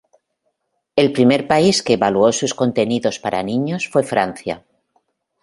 El primer país que evaluó sus contenidos para niños fue Francia.